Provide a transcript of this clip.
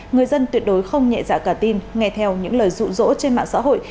người dân tuyệt đối không nhẹ dạ cả tin nghe theo những lời rụ rỗ trên mạng xã hội